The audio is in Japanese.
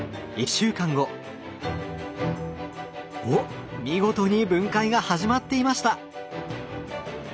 おっ見事に分解が始まっていました！